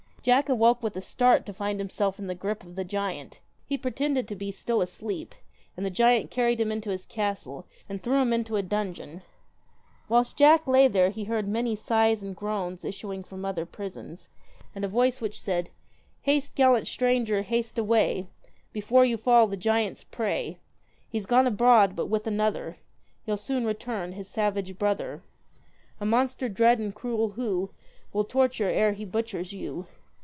Jack awoke with a start to find himself in the grip of the giant. He pretended to be still asleep, and the giant carried him into his castle and threw him into a dungeon. Whilst Jack lay there he heard many sighs and groans issuing from other prisons ; and a voice which said 4 Haste, gallant stranger, haste away, Before you fall the giant's prey ; He 's gone abroad, but with another, He'll soon return, his savage brother, A monster dread and cruel, who Will torture ere he butchers you.